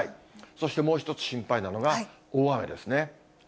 そしてもう一つ心配なのが、大雨ですね。